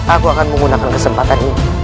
aku akan menggunakan kesempatan ini